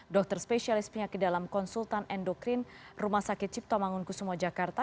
dokter spesialis penyakit dalam konsultan endokrin rumah sakit cipto mangunkusumo jakarta